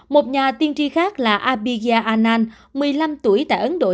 một nhà tiên tri khác là abhigya anand một mươi năm tuổi tại ấn độ